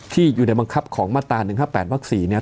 ที่อยู่ในบังคับของมาตรา๑๕๘วัก๔เนี่ย